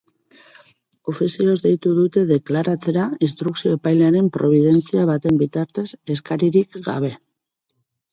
Ofizioz deitu dute deklaratzera, instrukzio epailearen probidentzia baten bitartez, eskaririk gabe.